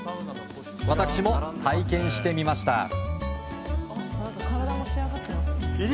私も体験してみました。